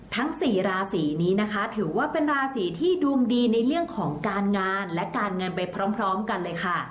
ทั้งสี่ราศีนี้นะคะถือว่าเป็นราศีที่ดวงดีในเรื่องของการงานและการเงินไปพร้อมกันเลยค่ะ